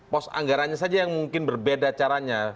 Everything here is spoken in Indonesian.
pos anggaranya saja yang mungkin berbeda caranya